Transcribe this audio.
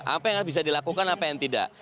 apa yang harus bisa dilakukan apa yang tidak